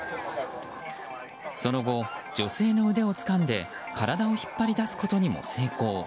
その後、女性の腕をつかんで体を引っ張り出すことにも成功。